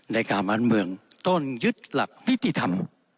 ในการบรรเมืองต้นยึดหลักนิธิธรรม